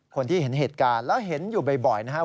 คนที่เห็นเหตุการณ์แล้วเห็นอยู่บ่อยนะครับ